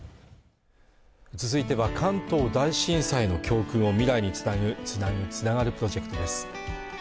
続いては関東大震災の教訓を未来につなぐ「つなぐ、つながるプロジェクト」です